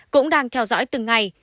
cũng đang theo dõi từng ngày